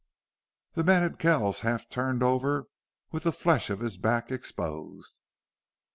The men had Kells half turned over with the flesh of his back exposed.